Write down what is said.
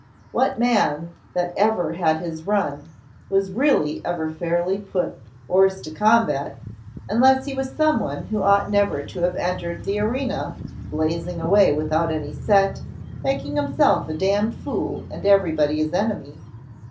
What man that ever had his run was really ever fairly put hors de combat, unless he was some one who ought never to have entered the arena, blazing away without any set, making himself a damned fool and everybody his enemy.